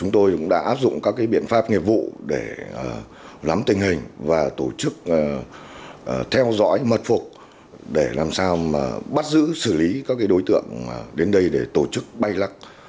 tổ chức theo dõi mật phục để làm sao bắt giữ xử lý các đối tượng đến đây để tổ chức bay lắc